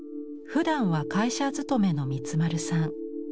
ふだんは会社勤めの満丸さん。